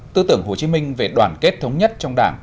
tư tưởng hồ chí minh về đoàn kết thống nhất trong đảng